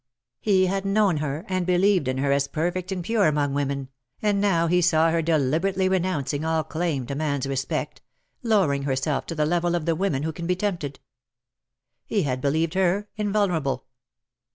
He had known her^ and believed in her as perfect and pure among women,, and now he saw her deliberately renouncing all claim to man^s respect, lowering herself to the level of the women who can be tempted. He had believed her invulnerable.